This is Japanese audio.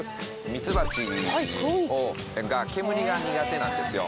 ミツバチが煙が苦手なんですよ。